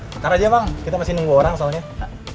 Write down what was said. ntar aja bang kita masih nunggu orang soalnya